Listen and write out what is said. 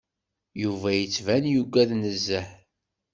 Yuba yettban yugad nezzeh.